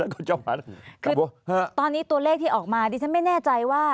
คือตอนนี้ตัวเลขที่ออกมาที่ฉันไม่แน่ใจว่า